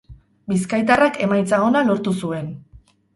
Bizkaitarrak emaitza ona lortu zuen.